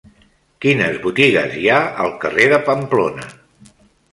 Quines botigues hi ha al carrer de Pamplona?